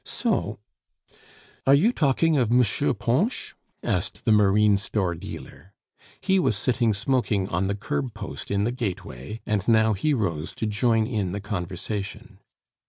So " "Are you talking of Mouchieu Ponsh?" asked the marine store dealer. He was sitting smoking on the curb post in the gateway, and now he rose to join in the conversation.